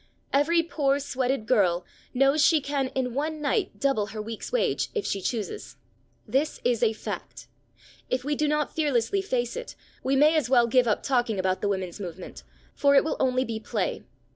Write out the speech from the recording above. Every poor sweated girl knows she can in one night double her week's wage if she chooses. This is a fact. If we do not fearlessly face it, we may as well give up talking about the women's movement, for it will only be play.